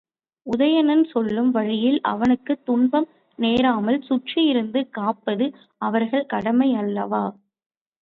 உதயணன் செல்லும் வழியில் அவனுக்குத் துன்பம் நேராமல் சுற்றியிருந்து காப்பது அவர்கள் கடமை அல்லவா?